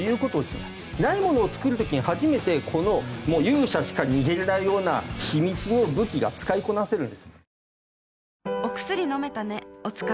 ないものを作る時に初めてもう勇者しか握れないような秘密の武器が使いこなせるんですよ。